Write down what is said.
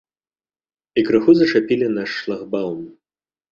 І крыху зачапілі наш шлагбаўм.